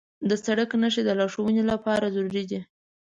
د سړک نښې د لارښوونې لپاره ضروري دي.